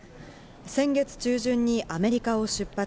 先月中旬にアメリカを出発。